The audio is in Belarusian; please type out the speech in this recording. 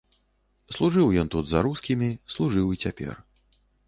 Служыў ён тут за рускімі, служыў і цяпер.